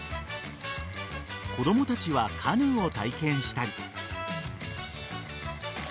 子供たちはカヌーを体験したり。